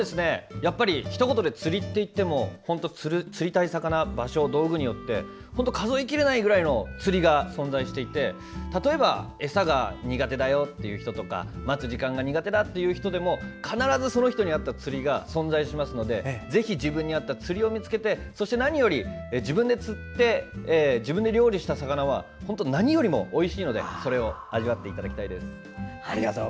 ひと言で釣りといっても釣りたい魚、場所、道具によって数え切れないくらいの釣りが存在していて例えば餌が苦手だよという人とか待つ時間が苦手という人にも必ず、その人に合った釣りが存在しますのでぜひ自分に合った釣りを見つけてそして何より、自分で釣って自分で料理した魚は本当に何よりもおいしいのでそれを味わっていただきたいです。